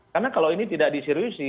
karena kalau ini tidak diseriusi